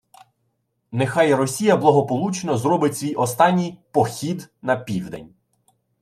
«Нехай Росія благополучно зробить свій останній «похід» на південь